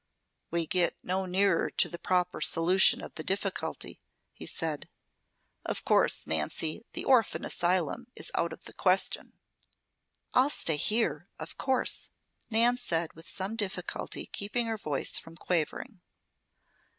"We get no nearer to the proper solution of the difficulty," he said. "Of course, Nancy, the orphan asylum is out of the question." "I'll stay here, of course," Nan said, with some difficulty keeping her voice from quavering.